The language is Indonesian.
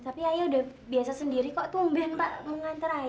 tapi saya sudah biasa sendiri kok tumben pak mengantar saya